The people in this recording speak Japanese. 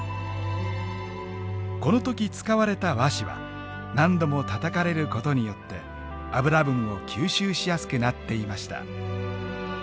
この時使われた和紙は何度もたたかれることによって脂分を吸収しやすくなっていました。